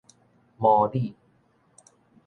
魔女